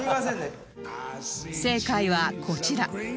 正解はこちら